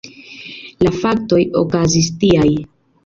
La faktoj okazis tiaj.